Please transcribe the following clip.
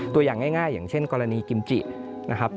ตัวอย่างง่ายอย่างเช่นกรณีกิมจินะครับ